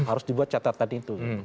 harus dibuat catatan itu